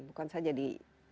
bukan saja di